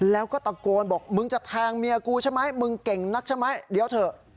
แล้วก็ตะโกนบอกมึงจะแทงเมียกูใช่ไหมมึงเก่งนักใช่ไหมเดี๋ยวเถอะ